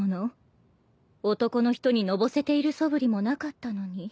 男の人にのぼせているそぶりもなかったのに。